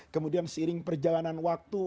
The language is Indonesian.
kemudian seiring perjalanan waktu